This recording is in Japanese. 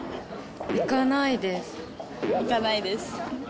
行かないです。